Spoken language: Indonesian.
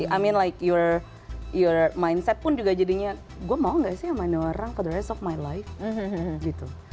i mean like your mindset pun juga jadinya gue mau gak sih sama orang for the rest of my life gitu